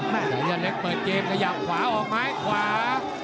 แต่ยอดเล็กเปิดเกมขยับขวาออกไม้ขวา